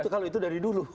kalau itu dari dulu